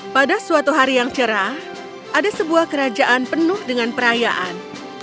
pada suatu hari yang cerah ada sebuah kerajaan penuh dengan perayaan